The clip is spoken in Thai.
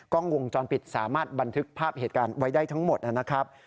กล้องวงจรปิดสามารถบันทึกภาพเหตุการณ์ไว้ได้ทั้งหมดนะครับ